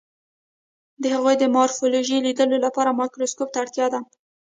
د هغوی د مارفولوژي لیدلو لپاره مایکروسکوپ ته اړتیا ده.